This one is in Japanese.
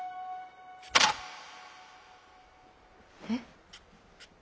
えっ？